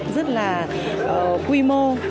rất là quy mô